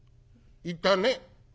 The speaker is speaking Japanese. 「いたね」。